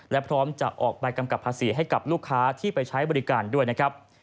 และพร้อมจะออกใบกำกับภาษีให้กับลูกค้าที่ไปใช้บริการด้วยนะครับ